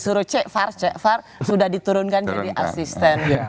suruh c far c far sudah diturunkan jadi asisten